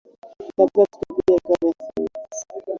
Katika siku ya pili ya vikao vya seneti